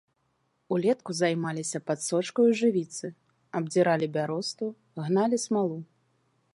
Улетку займаліся падсочкаю жывіцы, абдзіралі бяросту, гналі смалу.